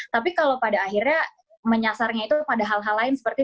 tapi kalau pada akhirnya menyasarnya itu pada hal hal lain seperti